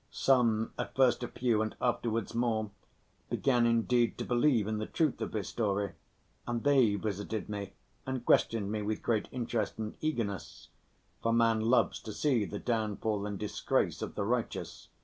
Some, at first a few and afterwards more, began indeed to believe in the truth of his story, and they visited me and questioned me with great interest and eagerness, for man loves to see the downfall and disgrace of the righteous.